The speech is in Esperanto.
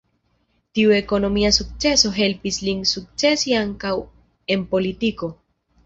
Tiu ekonomia sukceso helpis lin sukcesi ankaŭ en politiko.